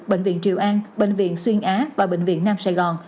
bệnh viện triều an bệnh viện xuyên á và bệnh viện nam sài gòn